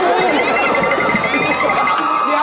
ถามพี่ปีเตอร์